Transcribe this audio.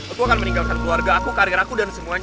aku akan meninggalkan keluarga aku karir aku dan semuanya